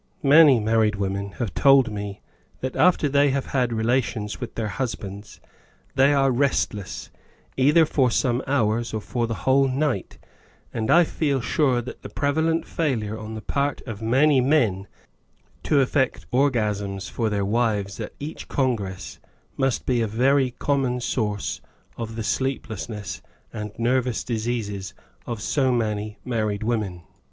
Many married women have told me that after they have had relations with their husbands they are rest less, either for some hours or for the whole nighf and I feel sure that the prevalent failure on the part of many men to effect orgasms for their wives at each congress, must be a very common source of the sleep lessness and nervous diseases of so many married women.